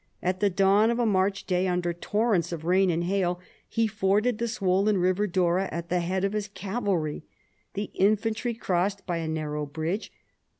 At the dawn of a March day, under torrents of rain and hail, he forded the swollen river Dora at the head of his cavalry. The infantry crossed by a narrow bridge.